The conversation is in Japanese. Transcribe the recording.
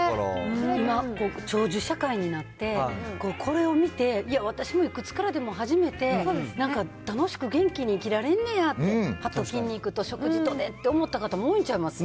今、長寿社会になって、これを見て、私もいくつからでも始めて、なんか、楽しく元気に生きられんねやって、歯と筋肉と食事とでって、思った方も多いんちゃいます？